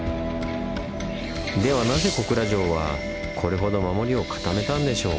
ではなぜ小倉城はこれほど守りを固めたんでしょう？